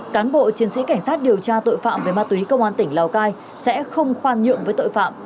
cán bộ chiến sĩ cảnh sát điều tra tội phạm về ma túy công an tỉnh lào cai sẽ không khoan nhượng với tội phạm